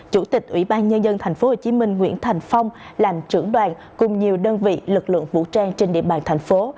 chủ tịch ủy ban nhân dân tp hcm nguyễn thành phong làm trưởng đoàn cùng nhiều đơn vị lực lượng vũ trang trên địa bàn thành phố